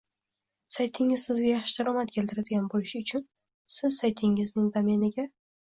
Saytingiz Sizga yaxshi daromad keltiradigan bo’lishi uchun Siz saytingizning domeniga